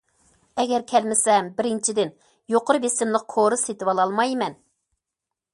ئەگەر كەلمىسەم، بىرىنچىدىن، يۇقىرى بېسىملىق كورا سېتىۋالالمايمەن.